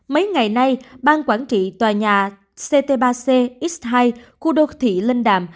mấy ngày nay bang quản trị tòa nhà ct ba c x hai khu đột thị linh đàm